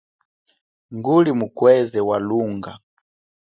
Nguli mukweze wa lunga.